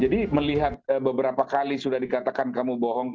jadi melihat beberapa kali sudah dikatakan kamu bohong